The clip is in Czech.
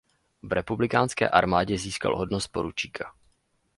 V republikánské armádě získal hodnost poručíka.